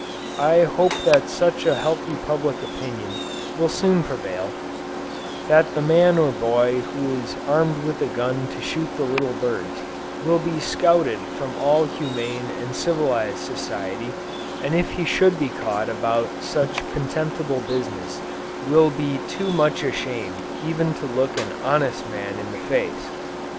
I hope that such a healthy public opinion will soon prevail, that the man or boy who is armed with a gun to shoot the little birds, will be scouted from all humane and civilized society, and if he should be caught about such contemptible business, will be too much ashamed even to look an honest man in the face.